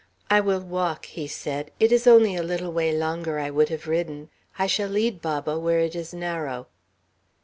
"I will walk," he said. "It was only a little way longer I would have ridden. I shall lead Baba, where it is narrow."